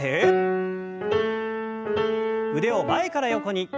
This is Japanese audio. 腕を前から横に。